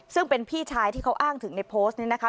ซึ่งเป็นพี่ชายที่เขาอ้างถึงในโพสต์นี้นะคะ